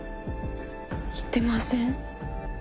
言ってません。